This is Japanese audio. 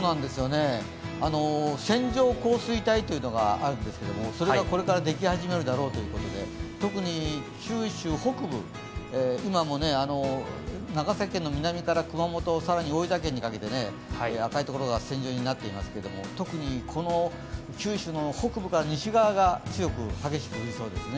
線状降水帯というのがあるんですけれども、それがこれからできはじめるだろうということで、特に九州北部、今も長崎県の南から熊本、更に大分県にかけて赤いところが線状になっていますけど特に九州の北部から西側が強く、激しく降りそうですね。